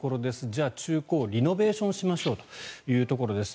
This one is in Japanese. じゃあ、中古をリノベーションしましょうということです。